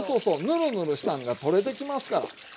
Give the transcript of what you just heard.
ヌルヌルしたんが取れてきますから。